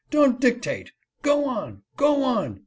Don't dictate !" "Goon!" "Go on!